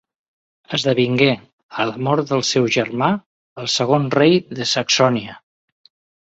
Esdevingué, a la mort del seu germà, el segon rei de Saxònia.